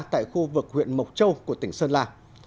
tại khu vực huyện mộc châu của tỉnh sơn la